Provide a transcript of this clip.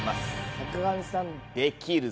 坂上さん「できる」と。